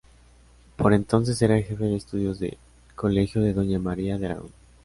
Por entonces era jefe de Estudios del Colegio de doña María de Aragón.